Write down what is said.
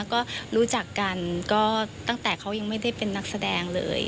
ก็รู้จักกันก็ตั้งแต่เขายังไม่ได้เป็นนักแสดงเลย